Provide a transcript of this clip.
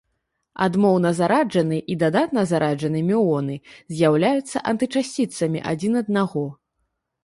Адмоўна зараджаны і дадатна зараджаны мюоны з'яўляюцца антычасціцамі адзін аднаго.